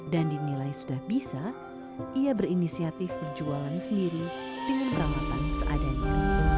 dan dinilai sudah bisa ia berinisiatif perjualan sendiri dengan perangkatan seadanya